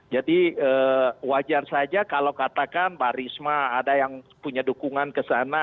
jadi wajar saja kalau katakan pak risma ada yang punya dukungan keseluruhan